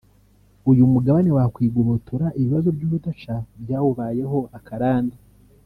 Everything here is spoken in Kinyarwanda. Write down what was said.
uyu mugabane wakwigobotora ibibazo by’urudaca byawubayeho akarande